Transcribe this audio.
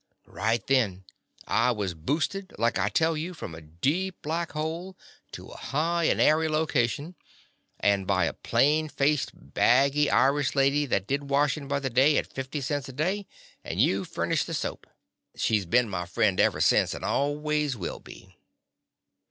Right then I was boosted, like I tell you, from a deep black hole to a high and airy location, and by a plain faced, baggy Irish lady that did wash ing by the day at fifty cents a day, and you furnished the soap. She 's been TTie Confessions of a Daddy my friend ever since, and always will be.